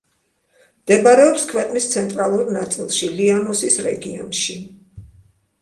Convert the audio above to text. მდებარეობს ქვეყნის ცენტრალურ ნაწილში, ლიანოსის რეგიონში.